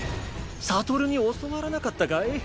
悟に教わらなかったかい？